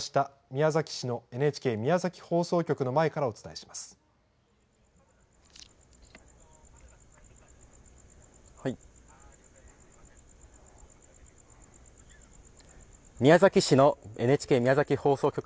宮崎市のＮＨＫ宮崎放送局の前からお伝宮崎市のＮＨＫ宮崎放送局